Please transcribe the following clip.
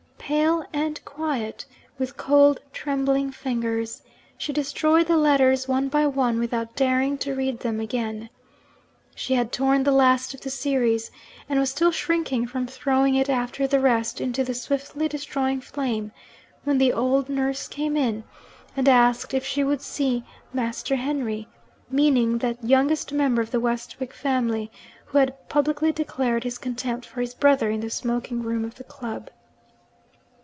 Pale and quiet, with cold trembling fingers, she destroyed the letters one by one without daring to read them again. She had torn the last of the series, and was still shrinking from throwing it after the rest into the swiftly destroying flame, when the old nurse came in, and asked if she would see 'Master Henry,' meaning that youngest member of the Westwick family, who had publicly declared his contempt for his brother in the smoking room of the club.